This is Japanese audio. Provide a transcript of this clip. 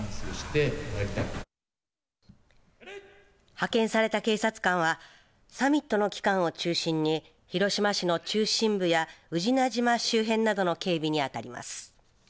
派遣された警察官はサミットの期間を中心に広島市の中心部や宇品島周辺などの警備に当たります。